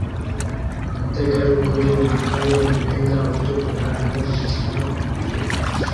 Umutegarugori wambaye umwenda utukura arimo gukina umufuka